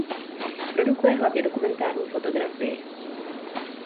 Produkuje hlavně dokumentární fotografii.